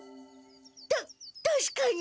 たたしかに。